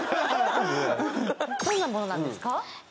どんなものなんですか？